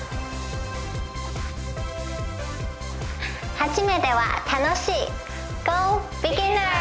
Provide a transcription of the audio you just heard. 初めては楽しい。